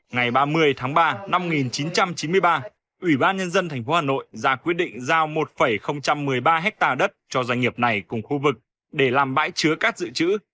ngày ba mươi tháng ba năm một nghìn chín trăm chín mươi ba ủy ban nhân dân tp hà nội ra quyết định giao một một mươi ba ha đất cho doanh nghiệp này cùng khu vực để làm bãi chứa cát dự trữ